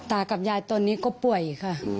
ตากับยายตอนนี้ก็ป่วยค่ะ